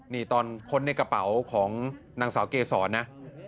นี่ตอนค้นในกระเป๋าของนางสาวเกษรนะ